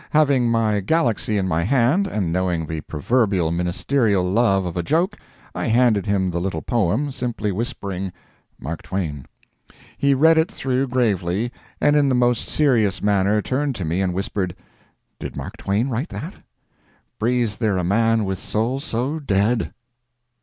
Having my GALAXY in my hand and knowing the proverbial ministerial love of a joke, I handed him the little poem, simply whispering "Mark Twain." He read it through gravely, and in the most serious manner turned to me and whispered, "Did Mark Twain write that?" "Breathes there a man with soul so dead!"